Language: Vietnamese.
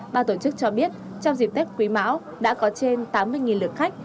ba tổ chức cho biết trong dịp tết quý mão đã có trên tám mươi lượt khách